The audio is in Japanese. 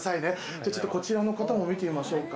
じゃちょっとこちらの方も見てみましょうか。